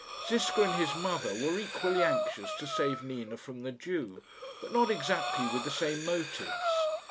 Ziska and his mother were equally anxious to save Nina from the Jew, but not exactly with the same motives.